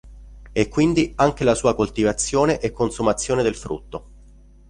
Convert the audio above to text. E quindi anche la sua coltivazione e consumazione del frutto.